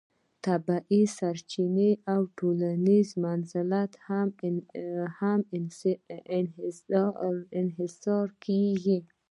طبیعي سرچینې او ټولنیز منزلت هم انحصار کیږي.